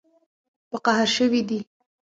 په قهر شوي دي